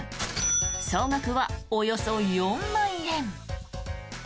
総額はおよそ４万円。